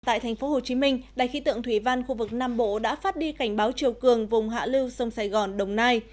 tại thành phố hồ chí minh đại khí tượng thủy văn khu vực nam bộ đã phát đi cảnh báo triều cường vùng hạ lưu sông sài gòn đồng nai